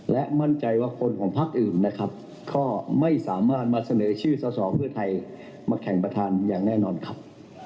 และมั่นใจว่าคนของพักอื่นนะครับก็ไม่สามารถมาเสนอชื่อสอสอเพื่อไทยมาแข่งประธานอย่างแน่นอนครับ